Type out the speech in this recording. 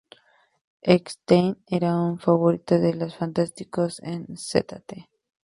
Eckstein era un favorito de los fanáticos en St.